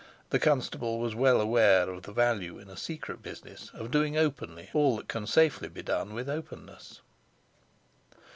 The constable was well aware of the value in a secret business of doing openly all that can safely be done with openness.